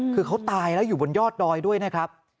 คือเขาตายแล้วอยู่บนยอดดอยด้วยนะครับ